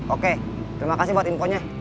oke terima kasih buat infonya